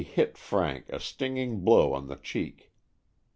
hit Frank a stinging blow on the cheek.